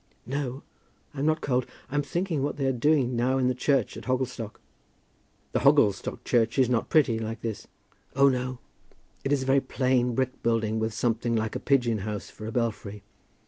"No; I'm not cold. I'm thinking what they are doing now in the church at Hogglestock." "The Hogglestock church is not pretty; like this?" "Oh, no. It is a very plain brick building, with something like a pigeon house for a belfry.